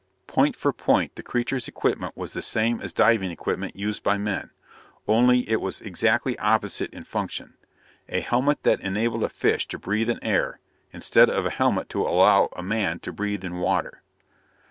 Point for point the creature's equipment was the same as diving equipment used by men, only it was exactly opposite in function. A helmet that enabled a fish to breathe in air, instead of a helmet to allow a man to breathe in water!